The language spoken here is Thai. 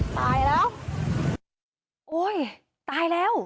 ตายแล้วตายแล้ว